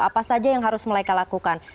apa saja yang harus mereka lakukan